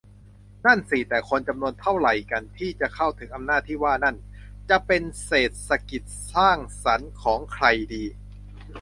นั่นสิ แต่คนจำนวนเท่าไหร่กันที่จะเข้าถึงอำนาจที่ว่านั่น จะเป็น เศรษฐกิจสร้างสรรค์ของใครดี ?